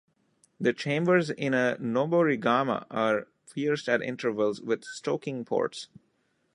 The chambers in a noborigama are pierced at intervals with stoking ports.